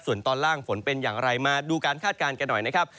ส่วนตอนล่างฝนเป็นอย่างไรมาดูการคาดการณ์กันหน่อยนะครับ